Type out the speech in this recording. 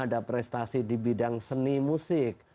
ada prestasi di bidang seni musik